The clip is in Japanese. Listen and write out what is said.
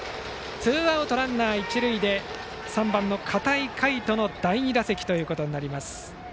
ツーアウトランナー、一塁で３番の片井海斗の第２打席。